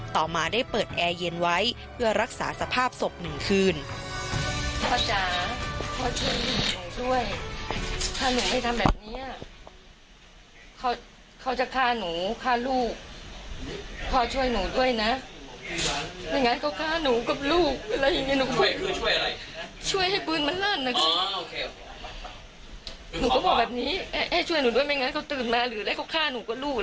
ต่อมาได้เปิดแอร์เย็นไว้เพื่อรักษาสภาพศพหนึ่งคืน